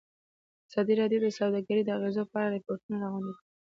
ازادي راډیو د سوداګري د اغېزو په اړه ریپوټونه راغونډ کړي.